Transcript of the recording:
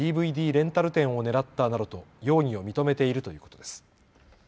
レンタル店を狙ったなどと容疑を認めているということです。